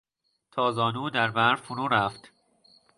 تا زانو در برف فرو رفت.